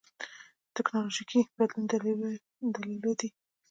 ټېکنالوژيکي بدلون دلایلو دي.